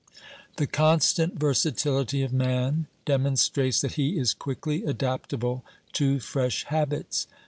The constant versatility of man demonstrates that he is quickly adaptable to fresh habits.